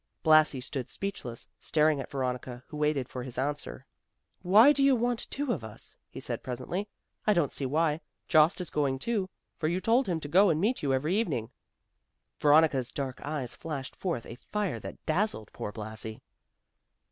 Blasi stood speechless; staring at Veronica, who waited for his answer. "Why; do you want two of us?" he said presently, "I don't see why. Jost is going too, for you told him to go and meet you every evening." Veronica's dark eyes flashed forth a fire that dazzled poor Blasi.